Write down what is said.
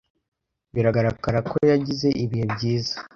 Bigaragara ko yagize ibihe byiza